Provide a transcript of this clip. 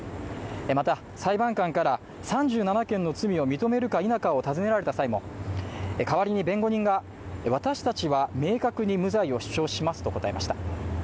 また、裁判官から３７件の罪を認めるか否かを尋ねられた際も、代わりに弁護人が私達は明確に無罪を主張しますと答えました。